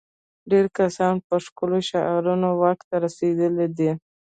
ډېری کسان په ښکلو شعارونو واک ته رسېدلي دي.